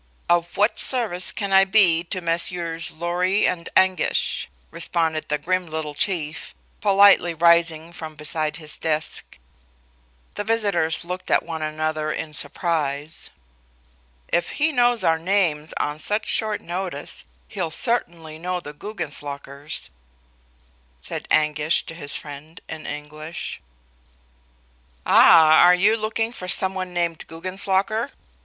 Of what service can I be to Messieurs Lorry and Anguish?" responded the grim little Chief, politely rising from beside his desk. The visitors looked at one another in surprise. "If he knows our names on such short notice, he'll certainly know the Guggenslockers," said Anguish to his friend, in English. "Ah, you are looking for some one named Guggenslocker?"